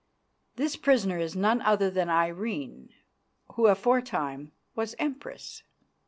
This prisoner is none other than Irene, who aforetime was Empress.